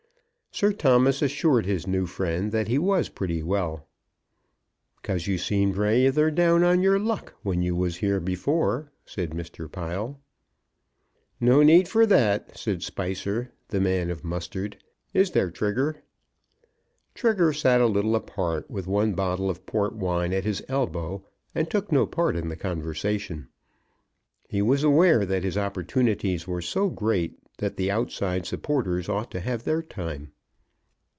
Sir Thomas assured his new friend that he was pretty well. "'Cause you seemed rayther down on your luck when you was here before," said Mr. Pile. "No need for that," said Spicer, the man of mustard. "Is there, Trigger?" Trigger sat a little apart, with one bottle of port wine at his elbow, and took no part in the conversation. He was aware that his opportunities were so great that the outside supporters ought to have their time.